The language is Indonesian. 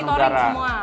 media monitoring semua